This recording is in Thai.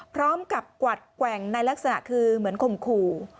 พร้อมกับกวัดแกว่งในลักษณะคือเหมือนข่มขู่